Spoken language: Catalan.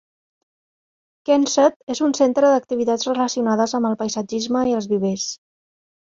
Kensett és un centre d'activitats relacionades amb el paisatgisme i els vivers.